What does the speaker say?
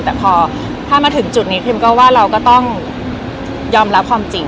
แต่พอถ้ามาถึงจุดนี้พิมก็ว่าเราก็ต้องยอมรับความจริง